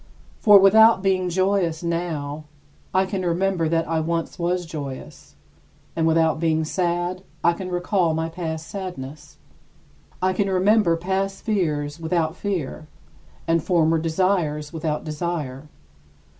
For without being joyous now, I can remember that I once was joyous, and without being sad, I can recall my past sadness. I can remember past fears without fear, and former desires without desire.